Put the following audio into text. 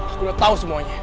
aku udah tau semuanya